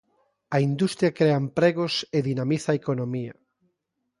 A industria crea empregos e dinamiza a economía.